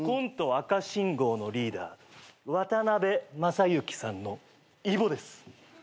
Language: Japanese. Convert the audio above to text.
赤信号のリーダー渡辺正行さんのイボです。